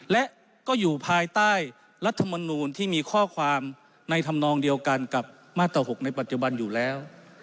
และก็อยู่ภายใต้รัฐมนูลที่มีข้อความในธรรมนองเดียวกันกับมาตร๖ในปัจจุบันอยู่แล้ว